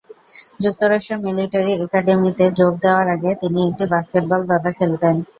যুক্তরাষ্ট্র মিলিটারি একাডেমীতে যোগ দেওয়ার আগে তিনি একটি বাস্কেটবল দলে খেলতেন।